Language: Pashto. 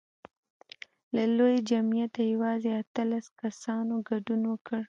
له لوی جمعیته یوازې اتلس کسانو ګډون وکړ.